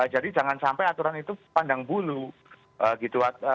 jadi jangan sampai aturan itu pandang bulu gitu